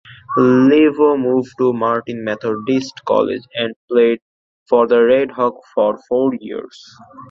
Levo moved to Martin Methodist College and played for the Redhawks for four years.